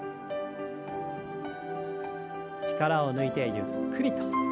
力を抜いてゆっくりと。